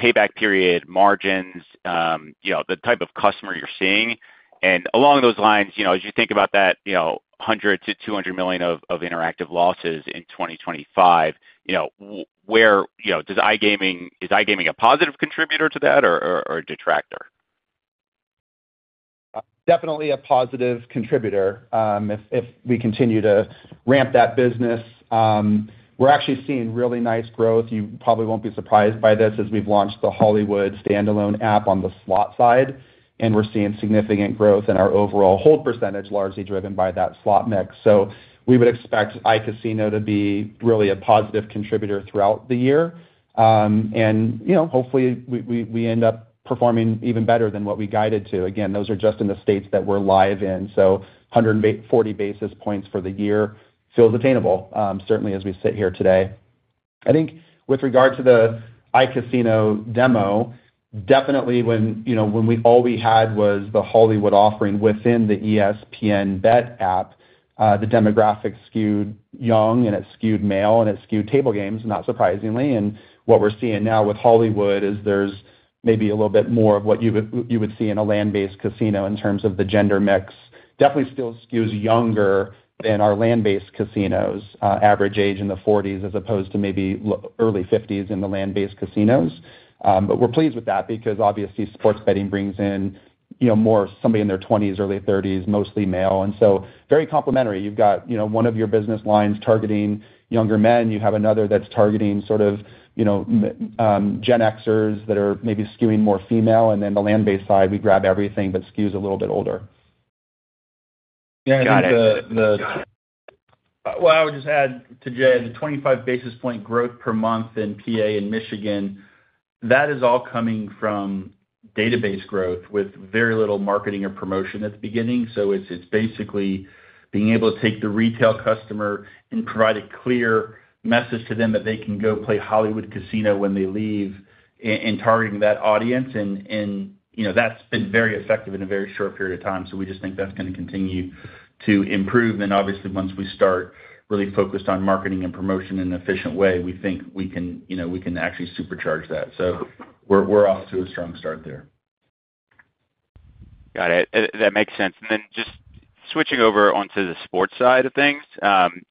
payback period, margins, the type of customer you're seeing? And along those lines, as you think about that $100 million-$200 million of interactive losses in 2025, where does iGaming, is iGaming a positive contributor to that or a detractor? Definitely a positive contributor if we continue to ramp that business. We're actually seeing really nice growth. You probably won't be surprised by this as we've launched the Hollywood iCasino on the slot side, and we're seeing significant growth in our overall hold percentage, largely driven by that slot mix. So we would expect iCasino to be really a positive contributor throughout the year, and hopefully, we end up performing even better than what we guided to. Again, those are just in the states that we're live in. 140 basis points for the year feels attainable, certainly as we sit here today. I think with regard to the iCasino demo, definitely when all we had was the Hollywood offering within the ESPN BET app, the demographic skewed young and it skewed male and it skewed table games, not surprisingly. What we're seeing now with Hollywood is there's maybe a little bit more of what you would see in a land-based casino in terms of the gender mix. Definitely still skews younger than our land-based casinos' average age in the 40s as opposed to maybe early 50s in the land-based casinos. We're pleased with that because obviously sports betting brings in more somebody in their 20s, early 30s, mostly male. So very complementary. You've got one of your business lines targeting younger men. You have another that's targeting sort of Gen Xers that are maybe skewing more female. Then the land-based side, we grab everything that skews a little bit older. Got it. I would just add to Jay, the 25 basis points growth per month in PA and Michigan, that is all coming from database growth with very little marketing or promotion at the beginning. It's basically being able to take the retail customer and provide a clear message to them that they can go play Hollywood Casino when they leave and targeting that audience. That's been very effective in a very short period of time. We just think that's going to continue to improve. Obviously, once we start really focused on marketing and promotion in an efficient way, we think we can actually supercharge that. We're off to a strong start there. Got it. That makes sense. And then just switching over onto the sports side of things,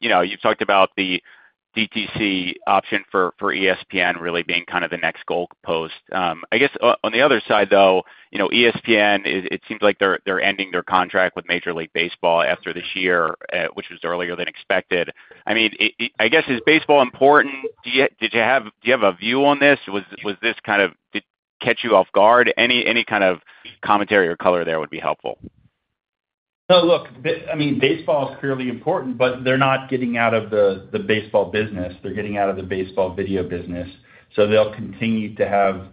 you've talked about the DTC option for ESPN really being kind of the next goalpost. I guess on the other side, though, ESPN, it seems like they're ending their contract with Major League Baseball after this year, which was earlier than expected. I mean, I guess, is baseball important? Do you have a view on this? Was this kind of did it catch you off guard? Any kind of commentary or color there would be helpful. No, look, I mean, baseball is clearly important, but they're not getting out of the baseball business. They're getting out of the baseball video business. So they'll continue to have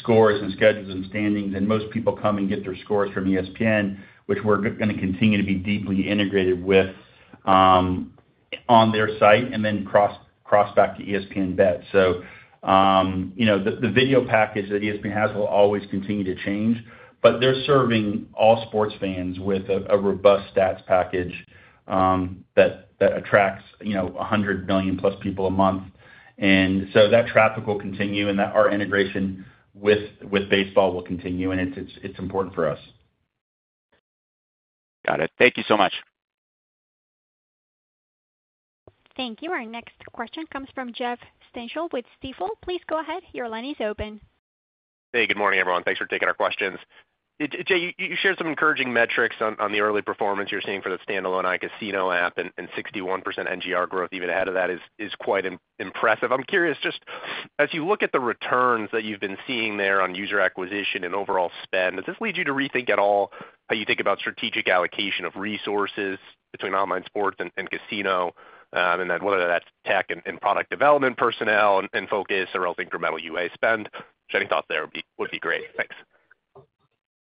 scores and schedules and standings. And most people come and get their scores from ESPN, which we're going to continue to be deeply integrated with on their site and then cross back to ESPN BET. So the video package that ESPN has will always continue to change. But they're serving all sports fans with a robust stats package that attracts 100 million plus people a month. And so that traffic will continue, and our integration with baseball will continue. And it's important for us. Got it. Thank you so much. Thank you. Our next question comes from Jeff Stantial with Stifel. Please go ahead. Your line is open. Hey, good morning, everyone. Thanks for taking our questions. Jay, you shared some encouraging metrics on the early performance you're seeing for the standalone iCasino app and 61% NGR growth even ahead of that is quite impressive. I'm curious, just as you look at the returns that you've been seeing there on user acquisition and overall spend, does this lead you to rethink at all how you think about strategic allocation of resources between online sports and casino and then whether that's tech and product development personnel and focus or else incremental UA spend? Sharing thoughts there would be great. Thanks.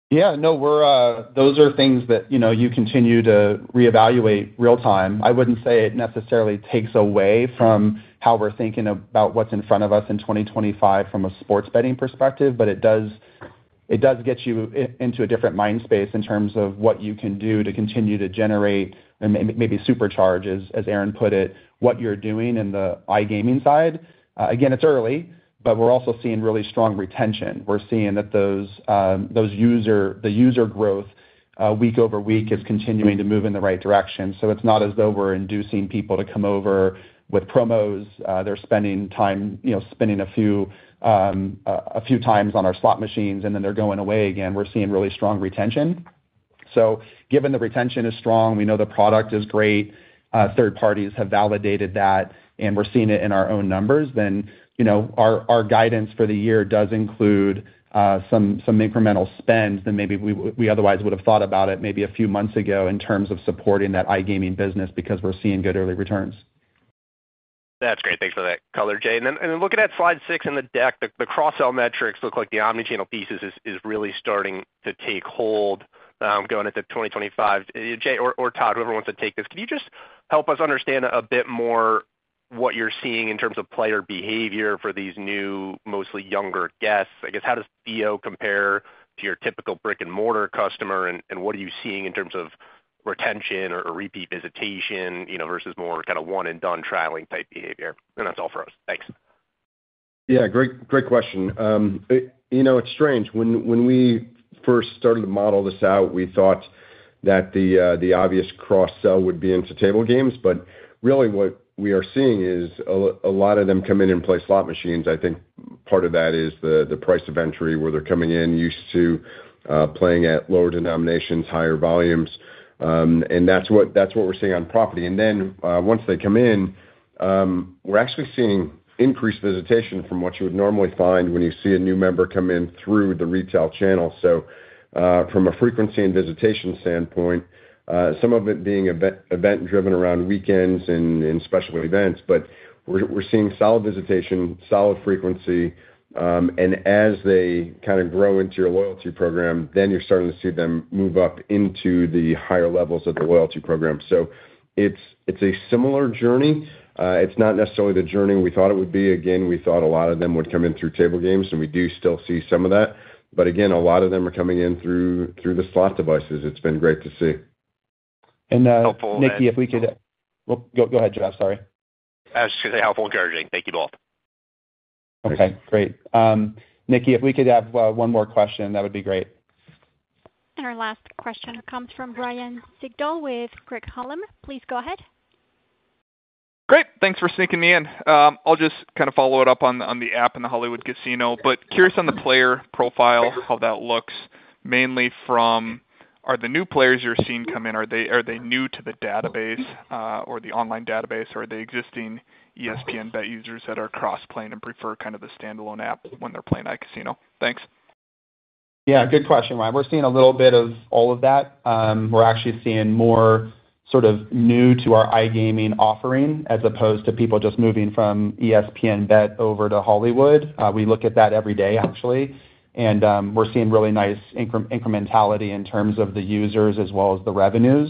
Yeah. No, those are things that you continue to reevaluate real-time. I wouldn't say it necessarily takes away from how we're thinking about what's in front of us in 2025 from a sports betting perspective, but it does get you into a different mind space in terms of what you can do to continue to generate and maybe supercharge, as Aaron put it, what you're doing in the iGaming side. Again, it's early, but we're also seeing really strong retention. We're seeing that the user growth week over week is continuing to move in the right direction. So it's not as though we're inducing people to come over with promos. They're spending time spinning a few times on our slot machines, and then they're going away again. We're seeing really strong retention. Given the retention is strong, we know the product is great, third parties have validated that, and we're seeing it in our own numbers, then our guidance for the year does include some incremental spend that maybe we otherwise would have thought about it maybe a few months ago in terms of supporting that iGaming business because we're seeing good early returns. That's great. Thanks for that color, Jay, and then look at that slide six in the deck. The cross-sell metrics look like the omnichannel pieces is really starting to take hold going into 2025. Jay or Todd, whoever wants to take this, can you just help us understand a bit more what you're seeing in terms of player behavior for these new, mostly younger guests? I guess, how does theo compare to your typical brick and mortar customer, and what are you seeing in terms of retention or repeat visitation versus more kind of one-and-done traveling type behavior, and that's all for us. Thanks. Yeah. Great question. It's strange. When we first started to model this out, we thought that the obvious cross-sell would be into table games. But really, what we are seeing is a lot of them come in and play slot machines. I think part of that is the price of entry where they're coming in used to playing at lower denominations, higher volumes. And that's what we're seeing on property. And then once they come in, we're actually seeing increased visitation from what you would normally find when you see a new member come in through the retail channel. So from a frequency and visitation standpoint, some of it being event-driven around weekends and special events, but we're seeing solid visitation, solid frequency. And as they kind of grow into your loyalty program, then you're starting to see them move up into the higher levels of the loyalty program. So it's a similar journey. It's not necessarily the journey we thought it would be. Again, we thought a lot of them would come in through table games, and we do still see some of that. But again, a lot of them are coming in through the slot devices. It's been great to see. Nicki, if we could. Helpful. Well, go ahead, Jeff. Sorry. I was just going to say helpful and encouraging. Thank you both. Okay. Great. Nicki, if we could have one more question, that would be great. Our last question comes from Ryan Sigdahl with Craig-Hallum. Please go ahead. Great. Thanks for sneaking me in. I'll just kind of follow it up on the app and the Hollywood Casino, but curious on the player profile, how that looks mainly from are the new players you're seeing come in, are they new to the database or the online database, or are they existing ESPN BET users that are cross-playing and prefer kind of the standalone app when they're playing iCasino? Thanks. Yeah. Good question, Ryan. We're seeing a little bit of all of that. We're actually seeing more sort of new to our iGaming offering as opposed to people just moving from ESPN BET over to Hollywood. We look at that every day, actually, and we're seeing really nice incrementality in terms of the users as well as the revenues,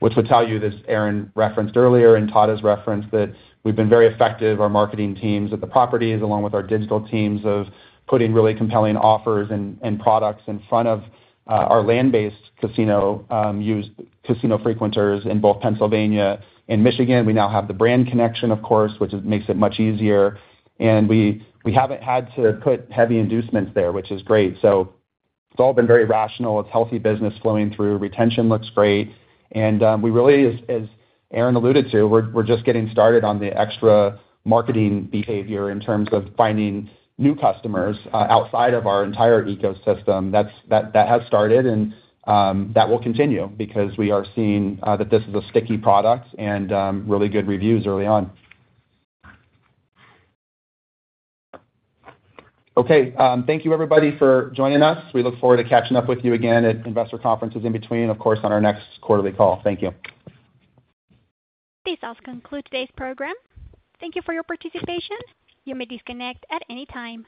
which would tell you this. Aaron referenced earlier and Todd has referenced that we've been very effective, our marketing teams at the properties along with our digital teams of putting really compelling offers and products in front of our land-based casino frequenters in both Pennsylvania and Michigan. We now have the brand connection, of course, which makes it much easier. And we haven't had to put heavy inducements there, which is great, so it's all been very rational. It's healthy business flowing through. Retention looks great. And we really, as Aaron alluded to, we're just getting started on the extra marketing behavior in terms of finding new customers outside of our entire ecosystem. That has started, and that will continue because we are seeing that this is a sticky product and really good reviews early on. Okay. Thank you, everybody, for joining us. We look forward to catching up with you again at investor conferences in between, of course, on our next quarterly call. Thank you. This concludes today's program. Thank you for your participation. You may disconnect at any time.